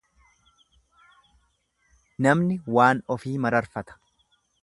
Namni waan ofii mararfata.